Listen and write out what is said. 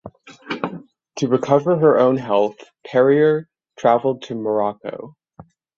To recover her own health Perrier traveled to Morocco.